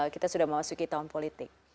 kita sudah memasuki tahun politik